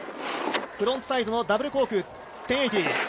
フロントサイドのダブルコーク１０８０。